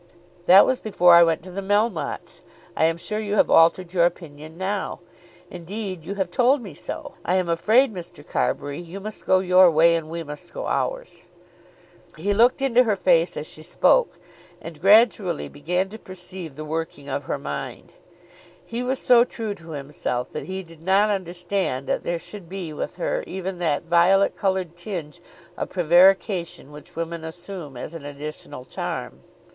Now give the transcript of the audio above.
"That was before I went to the Melmottes. I am sure you have altered your opinion now. Indeed, you have told me so. I am afraid, Mr. Carbury, you must go your way, and we must go ours." He looked into her face as she spoke, and gradually began to perceive the working of her mind. He was so true himself that he did not understand that there should be with her even that violet coloured tinge of prevarication which women assume as an additional charm.